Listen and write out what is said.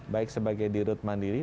baik sebagai dirut mandiri